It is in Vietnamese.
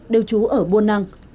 đều trú ở buôn năng